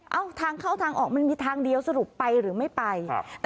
เอ้าทางเข้าทางออกมันมีทางเดียวสรุปไปหรือไม่ไปครับ